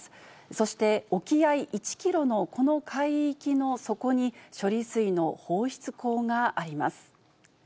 そして、沖合１キロのこの海域の底に、処理水の放出口があります。